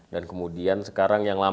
dan kemudian sekarang yang